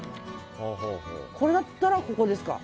これだったらここですか？